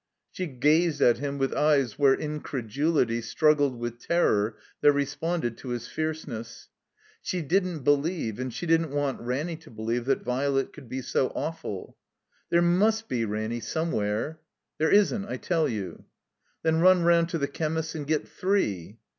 She gazed at him with eyes where incredulity struggled with terror that responded to his fierceness. She didn't believe, and she didn't want Raxmy to believe that Violet could be so awful. "There must be, Ranny, somewhere." "There isn't, I tell you." Then run round to the chemist's and get three.